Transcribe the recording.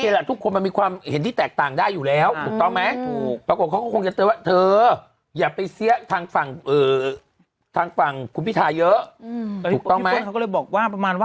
แหละทุกคนมันมีความเห็นที่แตกต่างได้อยู่แล้วถูกต้องไหม